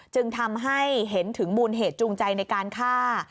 จึงทำให้เห็นถึงมูลเหตุจูงใจในการฆ่า